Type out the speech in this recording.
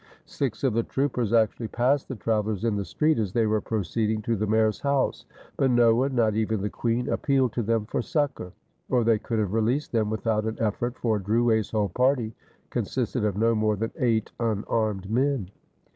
Six of the troopers actually passed the travelers in the street as they were proceeding to the mayor's house, but no one, not even the queen, appealed to them for succor; or they could have released them without an efifort, for Drouet's whole party consisted of no more than eight unarmed men.